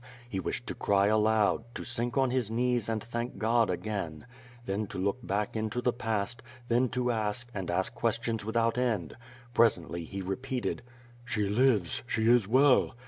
He wished to cry aloud, to sink on his knees and thank God again; then to look back into the past, then to ask, and ask questions without end. Presently he repeated: "She lives; she is well?"